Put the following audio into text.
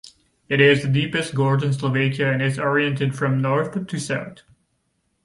It is the deepest gorge in Slovakia and is oriented from north to south.